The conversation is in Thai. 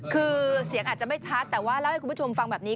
คือเสียงอาจจะไม่ชัดแต่ว่าเล่าให้คุณผู้ชมฟังแบบนี้